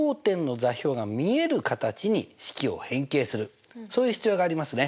まずはそういう必要がありますね。